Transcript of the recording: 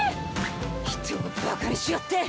人をバカにしおって！